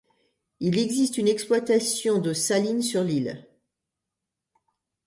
Il existe une exploitation de salines sur l'île.